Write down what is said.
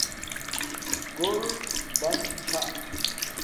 گھور بن چھا